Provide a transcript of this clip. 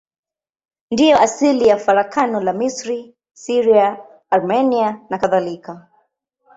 Ndiyo asili ya farakano la Misri, Syria, Armenia nakadhalika.